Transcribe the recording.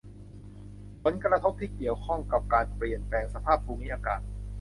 ผลกระทบที่เกี่ยวข้องกับการเปลี่ยนแปลงสภาพภูมิอากาศ